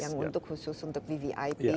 yang khusus untuk vvip